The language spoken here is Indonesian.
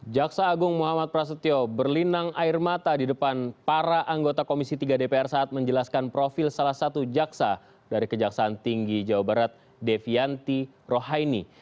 jaksa agung muhammad prasetyo berlinang air mata di depan para anggota komisi tiga dpr saat menjelaskan profil salah satu jaksa dari kejaksaan tinggi jawa barat devianti rohaini